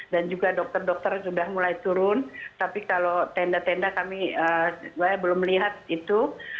dan juga dokter dokter sudah mulai turun tapi kalau tenda tenda kami belum melihat itu